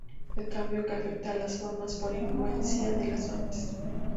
El cambio que afecta a las formas, por influencia de las artes.